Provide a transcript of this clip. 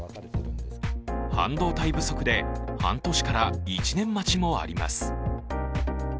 半導体不足で半年から１年待ちもあります。